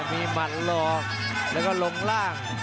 จุดหล่อมหลงร่าง